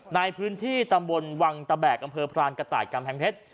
ในพื้นที่ตำบลวังตะแบกอำเภอพรานกระต่ายกำแพงเพชร